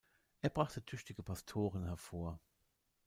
Er brachte tüchtige Pastoren hervor.